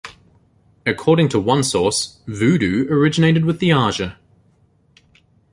According to one source, "voodoo" originated with the Aja.